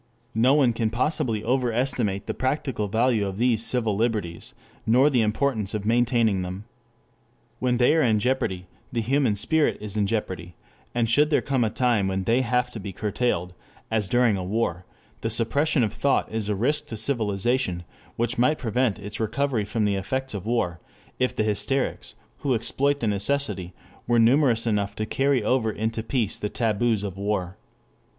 No one can possibly overestimate the practical value of these civil liberties, nor the importance of maintaining them. When they are in jeopardy, the human spirit is in jeopardy, and should there come a time when they have to be curtailed, as during a war, the suppression of thought is a risk to civilization which might prevent its recovery from the effects of war, if the hysterics, who exploit the necessity, were numerous enough to carry over into peace the taboos of war.